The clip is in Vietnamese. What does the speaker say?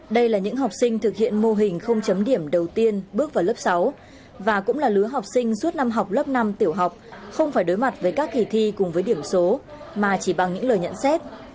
đây là những học sinh thực hiện mô hình không chấm điểm đầu tiên bước vào lớp sáu và cũng là lứa học sinh suốt năm học lớp năm tiểu học không phải đối mặt với các kỳ thi cùng với điểm số mà chỉ bằng những lời nhận xét